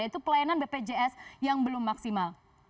yaitu pelayanan bpjs yang belum maksimal